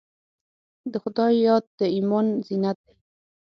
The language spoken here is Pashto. د خدای یاد د ایمان زینت دی.